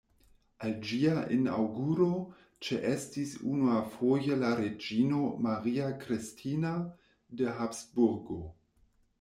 Al ĝia inaŭguro ĉeestis unuafoje la reĝino Maria Kristina de Habsburgo.